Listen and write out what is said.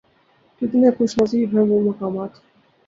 کتنے خوش نصیب ہیں وہ مقامات